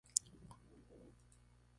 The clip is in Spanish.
La sede del condado es King George.